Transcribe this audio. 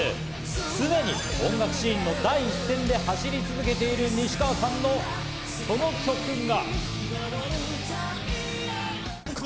常に音楽シーンの第一線で走り続けている西川さんのその曲が。